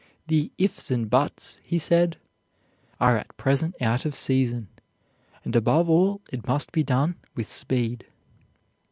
The "ifs and buts," he said, "are at present out of season; and above all it must be done with speed."